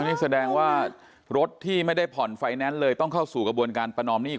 นี่แสดงว่ารถที่ไม่ได้ผ่อนไฟแนนซ์เลยต้องเข้าสู่กระบวนการประนอมหนี้